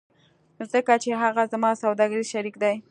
ځکه چې هغه زما سوداګریز شریک دی